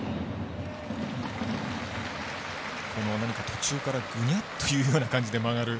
途中から、ぐにゃっというような感じで曲がる